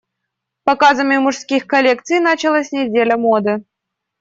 Показами мужских коллекций началась Неделя моды.